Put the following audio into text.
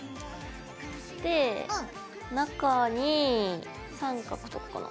で中に三角とかかな。